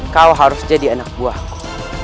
kau harus jadi anak buahku